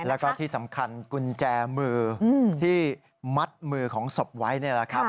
แล้วก็ที่สำคัญกุญแจมือที่มัดมือของศพไว้นี่แหละครับ